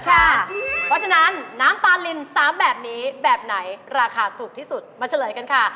เพราะฉะนั้นน้ำตาลิน๓แบบนี้แบบไหนราคาถูกที่สุดมาเฉลยกันค่ะ